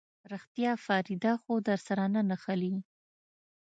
رښتيا فريده خو درسره نه نښلي.